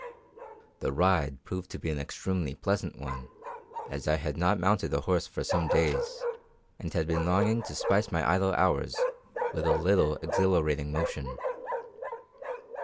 The ride proved an extremely pleasant one, as I had not mounted a horse for some days, and had been longing to spice my idle hours with a little exhilarating motion.